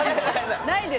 ないです。